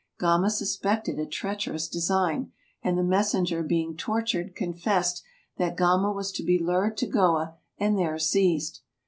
Gama sus pected a treacherous design, and the messenger being tor tured confessed that Gama was to be lured to Goa and there seized.